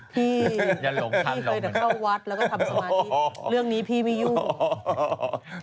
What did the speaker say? พี่เคยเดี๋ยวเข้าวัดแล้วก็ทำสมาธิเรื่องนี้พี่ไม่ยุ่ง